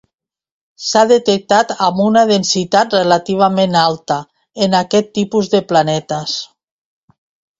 S'han detectat amb una densitat relativament alta en aquest tipus de planetes.